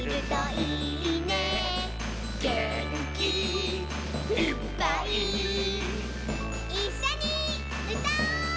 「げんきいっぱい」「いっしょにうたおう！」